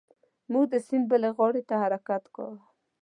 موږ د سیند بلې غاړې ته حرکت کاوه.